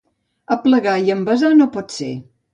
Aplegar i envasar, no pot ser.